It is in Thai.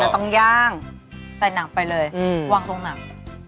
ต้องย่างใส่หนังไปเลยวางลงหนัง